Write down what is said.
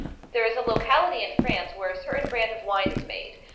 There is a locality in France where a certain brand of wine is made.